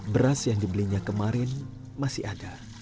beras yang dibelinya kemarin masih ada